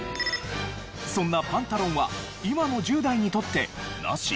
そんなパンタロンは今の１０代にとってナシ？